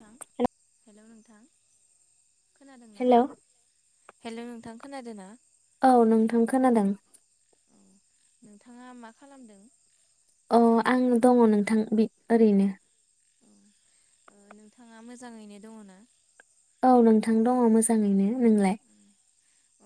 थां हेलौ नों खोनादोंना हेलौ हेलौ नोंथां? खोनादो ना? औ नोंथां खोनादों। औ नोंथाङा मा खालामदों? अ आं दङ नोंथां बि ओरैनो। औ नोंथाङा मोजाङैनो दङ ना? औ नोंथां दङ मोजाङैनो नोंलाय?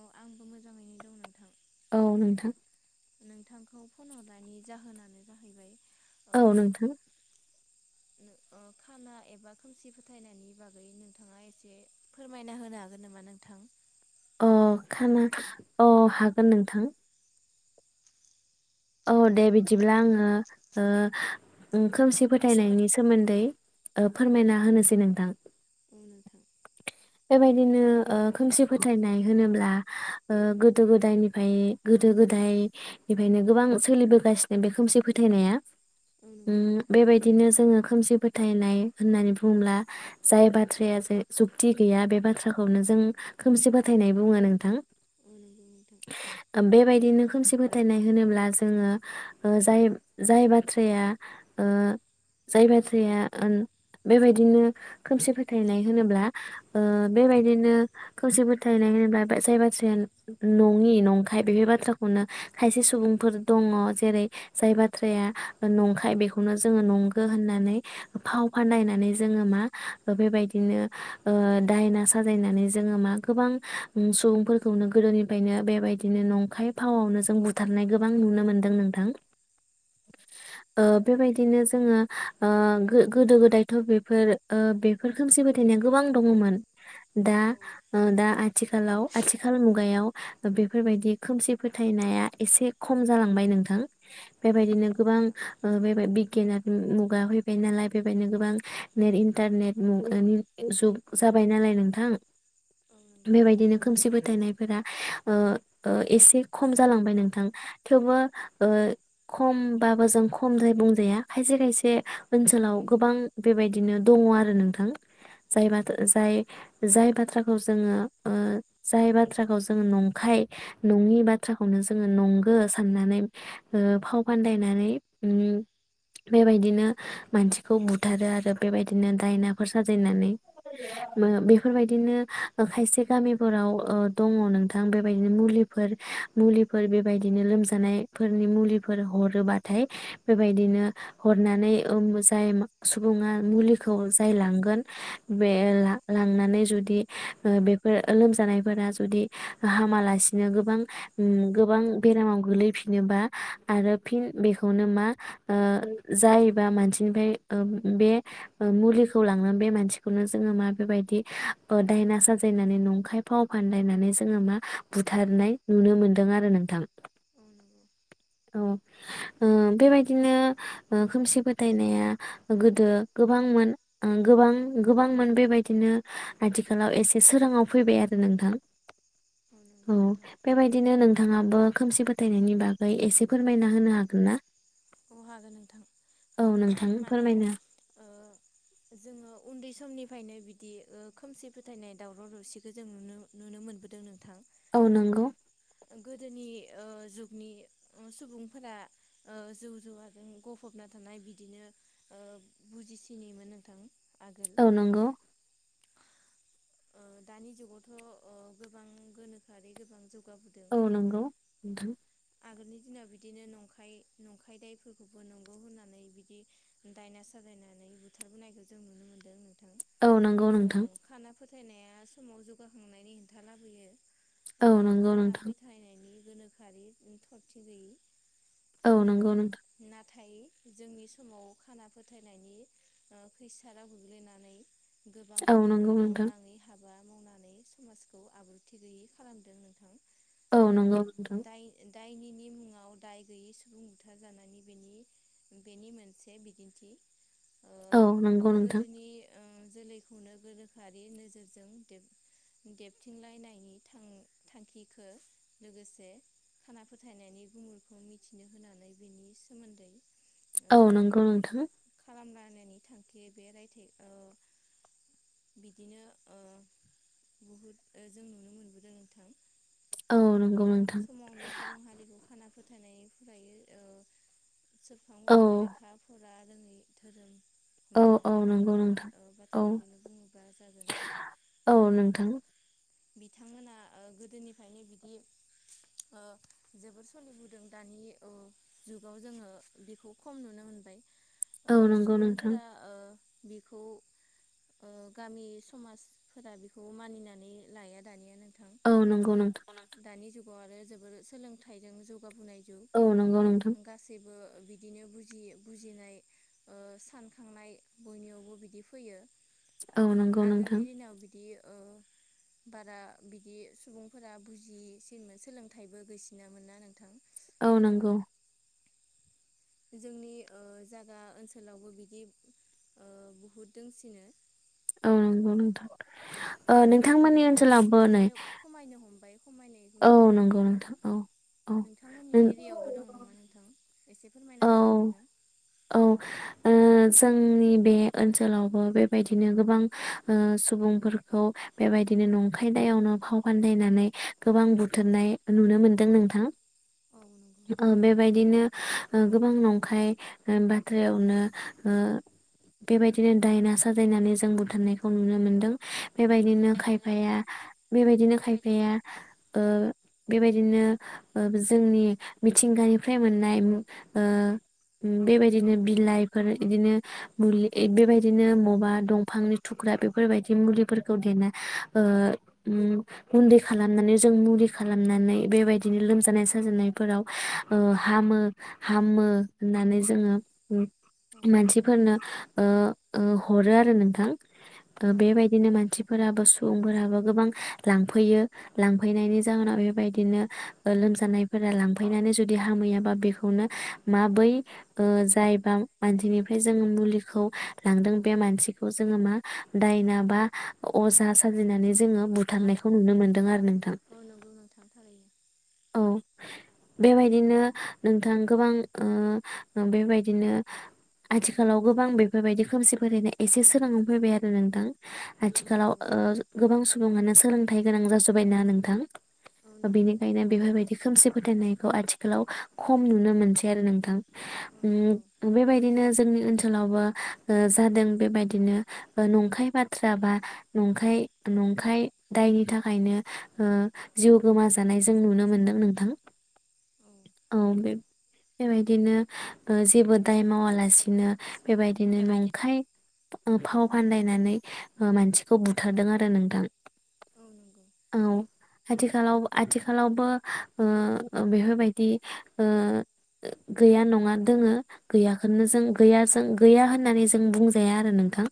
अ आंबो मोजाङैनो दं नोंथां। औ नोंथां। नोंथांखौ फन हरनायनि जाहोनानो जाहैबाय ओ औ नोंथां। ओ खाना एबा खोमसि फोथायनायनि बागै नोंथाङा एसे फोरमायना होनो हागोन नामा नोंथां? अ खाना अ हागोन नोंथां। औ दे बिदिब्ला आङो ओ उ खोमसि फोथायनायनि सोमोन्दै ओ फोरमायना होनोसै नोंथां। उम नोंथां। बेबायदिनो ओ खोमसि फोथायनाय होनोब्ला ओ गोदो गोदायनिफ्राय गोदो गोदाय निफ्रायनो। गोबां सोलिबोगासिनो बे खोमसि फोथायनाया। औ उम नंगौ नोंथां बेबायदिनो जोङो खोमसि फो फोथायनाय होननानै बुंब्ला जाय बाथ्राया जे जुक्ति गैया बे बाथ्राखौनो जों खोमसि फोथायनाय बुङो नोंथां। औ नंगौ नोंथां दा बेबाय बिदिनो खोमसि फोथायनाय होनोब्ला जोङो ओ जाय बाथ्राया ओ जाय बाथ्राया बेबायदिनो खोमसि फोथायनाय होनोब्ला ओ बेबायदिनो खोमसि फोथायनाय होनोब्ला जाय बाथ्राया नङि नंखाय बेफोर बाथ्राखौनो खायसे सुबुंफोर दङ जेरै जाय बाथ्राया नंखाय बेखौनो जोङो नंगो होननानै फाव फान्दायनानै जोङो मा बेबायदिनो ओ दायना साजायनानै जोङो मा गोबां सुबुंफोरखौनो गोदोनिफ्रायनो बेबायदिनो नंखाय फावआवनो जों नंगौ नोंथां बुथारनाय गोबां नुनो मोनदों नोंथां ओ बेबायदिनो जोङो ओ गोदो गोदायथ बेफोर ओ बेफोर खोमसि फोथायनाया गोबां दङमोन दा औ ओ दा आथिखालाव आथिखाल मुग मुगायाव बेफोरबायदि खोमसि फोथायनाया एसे खम जालांबाय नोंथां। बेबायदिनो नंगौ गोबां नोंथां ओ बे बि गिनात मुगा फैबाय नालाय बेबायदिनो गोबां नेट इन्टारनेट जाबाय नालाय नोंथां औ नंगौ बेबायदिनो खोमसि फो फोथायनायफोरा ओ ओ एसे खम जालांबाय नों नोंथां थेवबो ओ खमबाबो जों खमद्राय बुंजाया खायसे खायसे ओनसोलाव गोबां बेबायदिनो दङ आरो नोंथां जाय [unintelligible] जाय जाय बाथ्राखौ जोङो ओ जाय बाथ्राखौ जोङो नंखाय नङि बाथ्राखौनो जोङो नंगो साननानै ओ फाव फान्दायनानै उम बेबायदिनो मानसिखौ बुथारो आरो बेबायदिनो दायनाफोर साजायनानै बेफोरबायदिनो खायसे गामिफोराव ओ दङ नोंथां बेबायदिनो मुलिफोर मुलि फोर बेबायदिनो लोमजानायफोरनि मुलिफोर हरोबाथाय बेबायदिनो हरनानै ओम जाय सुबुङा मुलिखौ जाय लांगोन बे औ ला-लांनानै जुद बे ओ बेफोर लोमजानायफोरा जुदि हामालासिनो गोबां ओम गोबां बेरामाव गोलैफिनोबा आरो फिन बेखौनो मा ओ जायोबा मानसिनिफाय बे मुलिखौ लांना बे मानसिखौनो जोङो मा बेबायदि ओ दायना साजायनानै नंखाय फाव फानदायनानै जोङो मा बुथारनाय नुनो मोन्दों। नों आरो नोंथां अ नंगौ। औ ओ बेबायदिनो खोमसि फोथायनाया गोदो गोबांमोन गोबां गोबांमोन बेबायदिनो आथिखालाव एसे सोराङाव फैबाय आरो नोंथां। नंगौ औ नोंथां बेबायदिनो नों नोंथाङाबो खोमसि फोथायनायनि बागै एसे फोरमायना होनो हागोन ना? अ हागोन नोंथां औ नोंथां माने फोरमायनो ओ जोङो उन्दै समनि फायनो बिदि ओ खोमसि फोथायनाय दावराव दावसिखौ जों नुनो नुनोमोनबोदों नोंथां। औ नंगौ। गोदोनि ओ जुगनि सुबुंफोरा ओ जुट जुवाजों ग'फबना थानाय बिदिनो बुजिसिनिमोन नोंथां। आगोल औ नंगौ। ओ दानि जुगावथ ओ गोबां गोनोखोआरि गोबां जुग औ नंगौ नोंथां। आगोलनि दिनाव बिदिनो नंखाय - नंखाय दायफोरखौबो नंगौ होननानै बिदि दायना साजायनानै बुथारबोनायखौ जों नुनो मोन्दों नोंथां। औ नों नंगौ औ नोंथां। खाना फोथायनाया समाव जौगाखांनायनि हेंथा लाबोयो। औ ओ नंगौ खाना नोंथां फोथायनायनि गोनोखोआरि थरथि गैयि, औ नंगौ नोंथां। थायो जोंनि समाव खाना फोथायनायनि ओ खैसाराव गोग्लैनानै गोबां औ नंगौ नोंथां मावनाङै हाब हाबा मावनानै समाजखौ आब्रुथि गैयै खालामदों नोंथां। औ ओ नंगौ नोंथां। दाय दायनिनि मुङाव दाय गैयै सुबुं बुथार जानायनि बेनि बेनि मोनसे बिदिन्थि ओ औ नंगौ नोंथां। गोदोनि जोलैखौनो गोरोखोआरि नोजोरजों देब देबथिंलायनायनि थां थांखिखौ लोगोसे खाना फोथायनायनि गुमुरखौ मिथिनो होनानै बेनि सोमोन्दै ओ औ नंगौ नोंथां। [unintelligible] थांखि बे रायथाइखौ बिदिनो ओ बहुद जों नुनो मोनबोदों नोंथां। औ नंगौ नोंथां समावनो सुबुं हारिखौ खाना फो थानाय फायो औ औ सोरखांबोदों ए लेखाफोरार जोंनि धोरोम औ औ हमथाग्रा नंगौ भारतनि नोंथां ओ औ बाथ्राफोरखौनो बुङोब्ला जागोन औ ओ नोंथां बिथांमोना ओ गोदोनिफ्रायनो बिदि ओ जोबोर सोलिबोदों दानि ओ जुगाव जोङो बेखौ खम नुनो मोनबाय ओ औ नंगौ नोंथां सुबुंफोरा ओ बिखौ ओ गामि समाजफोरा बेखौ मानिनानै लाया दानिया नों औ नंगौ नोंथां। दानि जुगाव आरो जोबोर सोलोंथाइजों जौ जौगाबोनाय औ नंगौ नोंथां जुग गासैबो बिदिनो बुजियि बुजिनाय ओ सानखांनाय बयनियावबो बिदि फैयो। औ नंगौ नोंथां। आगोलनि दिनाव बिदि ओ बारा बिदि सुबुंफोरा बुजि जिसिनमोन सोलोंथाइबो गोैसिनामोनना नोंथां औ नंगौ। जोंनि ओ जागा ओनसोलावबो बिदि ओ बहुद दोंसिनो। औ नंगौ नोंथां। ओ नोंथांमोननि दानिया ओनसोलावबो नै एसे खमायनो हमबाय। खमायनायखौ औ नुनो नंगौ मोनबाय नोंथां औ औ नोंथांमोननि नों एरियायावबो दं नामा नोंथां एसे फोरमायना होना औ हागोन ना? औ ओ जोंनि बे ओनसोलावबो बेबायदिनो गोबां ओ सुबुंफोरखौ बेबायदिनो नंखायदायावनो फाव फान्दायनानै गोबां बुथारनाय नुनो मोनदों नोंथां। ओ बेबायदिनो ओ गोबां नंखाय ओ बाथ्रायावनो ओ बेबायदिनो दायना साजायनानै जों बुथारनायखौ नुनो मोनदों। बे बायदिनो हागोन ना खायफाया बेबायदिनो खायफाया। ओ बेबायदिनो ओ जोंनि मिथिंगानिफ्राय मोननाय मुं ओ उम बेबायदिनो बिलाइफोर इदिनो मुलि बेबायदिनो मबा दंफांनि थुख्रा बेफोरबायदि मुलिफोरखौ देना ओ उम गुन्दै खालामनानै जों मुलि खालामनानै बेबायदिनो लोमजानाय साजानायफोराव ओ हामो हामो होननानै जोङो उम औ नंगौ मानसिफोरनो ओ ओ हरो आरो नोंथां ओ बेबायदिनो मानसिफोराबो सुबुंफोराबो गोबां लांफैयो लांफैनायनि जाहोनाव ओरैनो बेबायदिनो ओ लोमजानायफोरा लांफैनानै जुदि हामहैयाबा बेखौ हमो मा बै ओ जायबा मानसिनिफ्राय जो मुलिखौ लांदों बे मानसिखौ जोङो मा दायना बा अजा साजायनानै जोङो बुथारनायखौ बेबायदि औ नुनो मोनदों आरो नोंथां। औ नंगौ नोंथां थारैनो औ बेबायदिनो नोंथां खोबो ओ ओ बेबायदिनो आथिखालाव गोबां बेफोरबायदि खोमसि फोथायनाय एसे सोरङाव फैबाय आरो नोंथां औ आथिखालाव नंगौ ओ गोबां सुबुङानो सोलोंथाइ गोनां जाजोबबायना नोंथां औ ओ नंगौ बेनि। नोंथां फोथायनायखौ आथिखालाव खम नुनो मोनसै आरो नोंथां। औ नंगौ उम बेबायदिनो जो जोंनि ओनसोलावबो ओ जादों बेबायदिनो ओ नंखाय बाथ्रा बा नंखाय औ नंखाय दायनि थाखायनो ओ जिउ गोमाजा जानाय जों नुनो मोनदों नोंथां औ बे बेबायदिनो ओ जेबो दाय मावालासिनो बेबायदिनो बेबायदि नंखाय फाव फान्दायनानै मानसिखौ बुथारदों आरो नोंथां औ नंगौ औ आथिखालाव आथिखालाव बो ओ बेफोरबायदि ओ गैया नङा दङ गैयाखौनो औ जों गैया जों गैया होननानै जों बुंजाया आरो नोंथां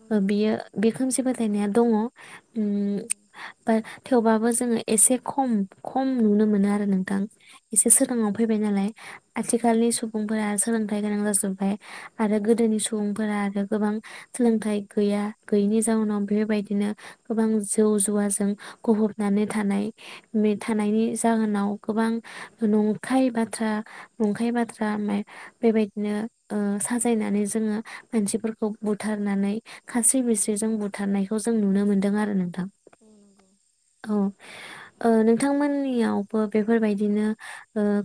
औ नंगौ बियो नोंथां बे खोनसे बा फोथायनाया दङ ओम औ बा थेवबाबो जोङो एसे खम खम नुनो मोनो आरो नोंथां। एसे औ सिगांङाव नंगौ फैबाय नालाय आथिखालनि सुबुंफोरा सोलोंथाइ गोनां जाजोबबाय आरो गोदोनि सुबुंफोरा आरो गोबां सोलोंथाइ गैया गैयिनि जाउनाव बेफोरबायदिनो गोबां जौ जुवाजों गहबनानै थानाय। थानायनि जाहोनाव गोबां नंखाय बाथ्रा नंखाय बाथ्रा बेबायदिनो साजायनानै जोङो मानसिफोरखौ बुथारनानै खास्रि बिस्रि जों बुथारनायखौ जों नुनो मोनदों आरो नोंथां गौ [inaudible] औ ओ नोंथांमोननियावबो बेफोरबायदिनो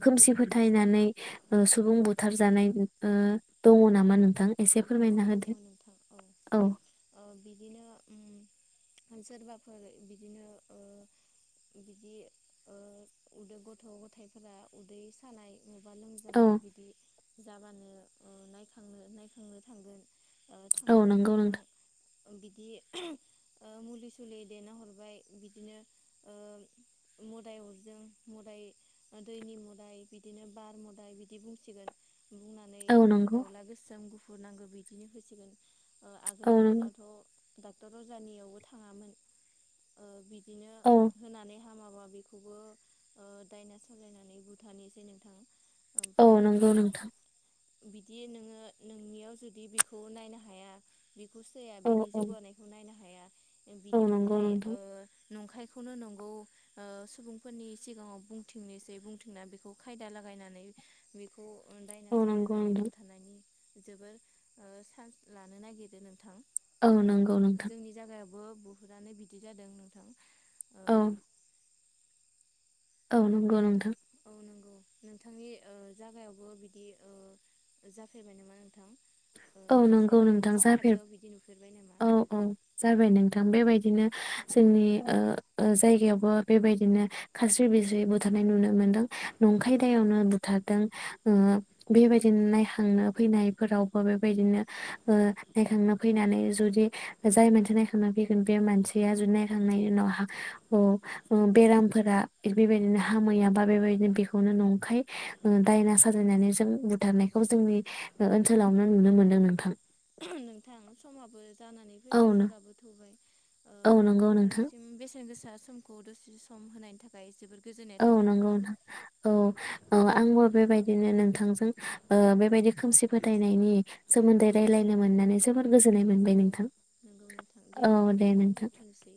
खोमसि ओ फोथायनानै ओ सुबुं बुथारजानाय ओ दङ नामा नोंथां? एसे औ फोरमायना दङ होदो नोंथां औ औ बिदिनो सोरबाफोर बिदिनो ओ बिदि ओ उन्दै गथ' गथायाइफोरा उदै सानाय माबा औ लोमजानाय बिदि जाबानो ओ नायखांनो नायखांनो थांगोन ओ औ थांनानै नंगौ नोंथां नोंथा बिदि मुलि सुलि देना हरबाय बिदिनो मोदाय अरदों मोदाय दैनि मोदाय बिदिनो बार मोदाय बिदि बुंसिगोन बुंनानै औ ओ नंगौ दाउला गोसोम गु खौ नांगौ बिदिनो होसिगोन। औ आगोलनि नंगौ दिनावथ डाक्टर अजानियावबो थाङामोन ओ बि बिदिनो औ होनानै हामाबा बेखौबो ओ दायना सालायनानै बुथारनोसै नोंथां औ ओमफाय नंगौ नोंथां बिदि नोङो नोंनियाव जुदि बेखौ नायनो हाया बिखौ सैया औ बिनि औ जौगानायखौ नायनो हाया। औ नंगौ बिदिखौथाय नोंथां ओ नंखायखौनो नंगौ ओ सुबुंफोरनि सिगाङाव बुंथिंनोसै बुंथिंना बेखौ खायदा लागायनानै बेखौ दायना औ नंगौ साजायनानै नोंथां बुथारनायनि जोबोर सान्स लानो नागिरो नोंथां औ नंगौ नोंथां। बो बुहुदानो बिदि जादों नोंथां। ओ औ औ नंगौ नोंथां औ नांगौ नोंथांनि ओ जागायावबो बिदि ओ जाफेरबाय नामा नोंथां ओ औ नोंगौ नोंसोरनि नोंथां जाफेर साखाथियाव बिदि नुफेरबाय नामा? औ औ जाबाय नोंथां बेबायदि बिदिनो जोंनि ओ जायगायावबो बेबायदिनो खास्रि बिस्रि बुथारनाय नुनो मोनदों। औ नंखाय दायावनो बु बुथारदों ओ बेबायदिनो नायहांनो फैनायफोरावबो बे बेबायदिनो ओ नायखां फैनानै जुदि जाय मानसिया नायखां फैगोन बे मानसिया जुदि नायखांनायनि उनाव अ बेरामफोरा बेबायदिनो हामैया बा बेबायदिनो बेखौनो नंखाय दायना साजायनानै जों औ बुथारनायखौ जोंनि ओनसोलावनो नुनो मोन नोंथां। समाबो जानानै औ फैबाय हराबो थौबाय ओ औ नंगौ नोंथां नोंथांनिसिम बेसेन गोसा जोंखौ दसे सम होनायनि थाखाय जोबोद औ नोंगौ औ औ आंबो बेबायदिनो नोंथांजों ओ औ बेबायदि ओ खोमसि फोथायनायनि सोमोन्दै रायज्लायनो मोननानै जोबोर गोजोननाय मोनबाय औ नोंथां नंगौ नोंथां औ होमबा दे नोंथां। दोनथ'नोसै।